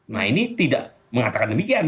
nah ini tidak mengatakan demikian